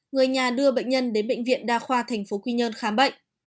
người nhà đưa bệnh nhân đến bệnh viện đa khoa thành phố quy nhơn khám bệnh